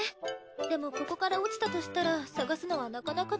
でもここから落ちたとしたら捜すのはなかなか大変よ。